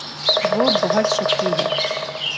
وہ بہت شکی ہے۔